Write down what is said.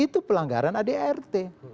itu pelanggaran adrt